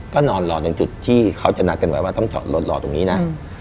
ก็นอนรอจนจุดที่เขาจำหนักกันไว้ว่าต้องรอตรงนี้นะ